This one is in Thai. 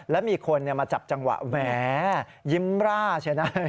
แล้วมีคนมาจับจังหวะแหมยิ้มร่าเชียนะ